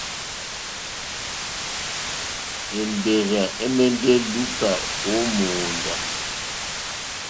Èmbèrzà ɛ̀mɛ́ndɛ́ lùúká ó mòóndá.